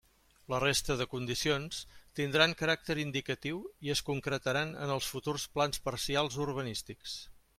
La resta de condicions tindran caràcter indicatiu i es concretaran en els futurs plans parcials urbanístics.